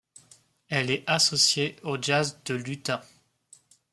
Elle est associée au Jazz de l'Utah.